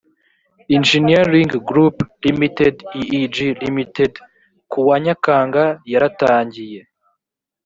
engineering group ltd eeg ltd ku wa nyakanga yaratangiye.